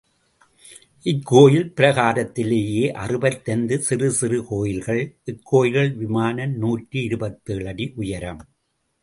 இக்கோயில் பிரகாரத்திலேயே அறுபத்தைந்து சிறு சிறு கோயில்கள், இக்கோயில் விமானம் நூற்றி இருபத்தேழு அடி உயரம்.